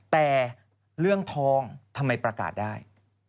แต่เรื่องทองทำไมประกาศได้